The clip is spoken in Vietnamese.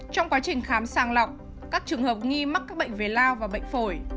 trong quá trình khám sàng lọc các trường hợp nghi mắc các bệnh về lao và bệnh phổi